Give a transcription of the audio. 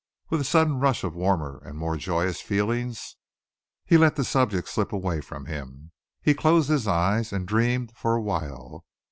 With a sudden rush of warmer and more joyous feelings, he let the subject slip away from him. He closed his eyes and dreamed for a while.